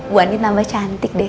bu andien nambah cantik deh